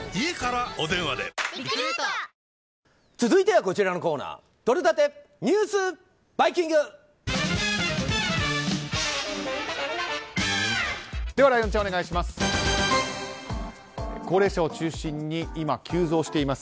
続いてはこちらのコーナーとれたて！